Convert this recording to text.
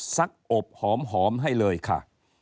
ซักอบหอมให้เลยค่ะ